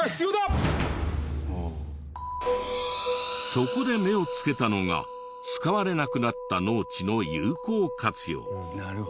そこで目をつけたのが使われなくなった農地の有効活用。